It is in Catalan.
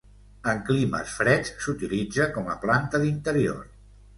En climes freds s'utilitza com a planta d'interior.